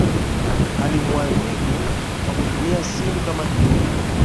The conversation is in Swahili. Alimwadhibu kwa kutumia simu kama kiboko.